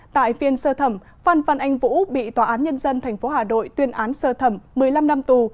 tại phiên sơ thẩm phan văn anh vũ bị tòa án nhân dân tp hà nội tuyên án sơ thẩm một mươi năm năm tù